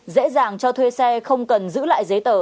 dễ dàng cho thuê xe không cần giữ lại giấy tờ